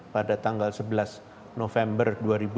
pada tanggal sebelas november dua ribu dua puluh